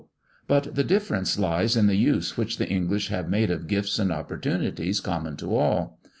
but the difference lies in the use which the English have made of gifts and opportunities common to all.